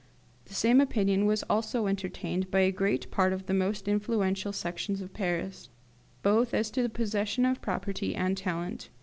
The same opinion was also entertained by a great part of the most influential Sections of Paris, both as to the possession of property and talent.